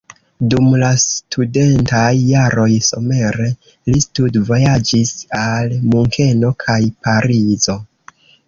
Dum la studentaj jaroj somere li studvojaĝis al Munkeno kaj Parizo.